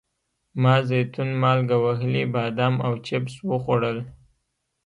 ما زیتون، مالګه وهلي بادام او چپس وخوړل.